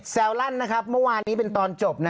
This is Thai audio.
แซวลั่นเมื่อวานนี้เป็นตอนจบ